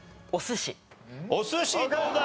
お寿司どうだ？